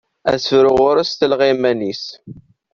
Asefru ɣur-s talɣa iman-is.